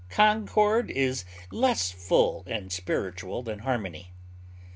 Concord is less full and spiritual than harmony.